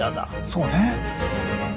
そうね。